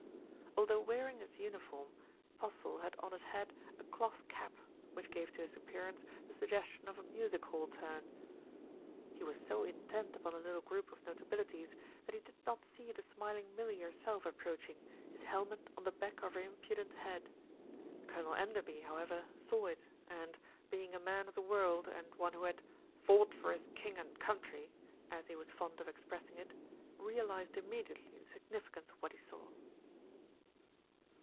Although wearing his uniform, Postle had on his head a cloth cap, which gave to his appearance the sug gestion of a music hall turn. He was so intent upon the little group of notabili ties that he did not see the smiling Millie herself ap proaching, his helmet on the back of her impudent head. Colonel Enderby, however, saw it and, being a man of the world and one who had "fought for his king and country," as he was fond of expressing it, realised immediately the significance of what he saw.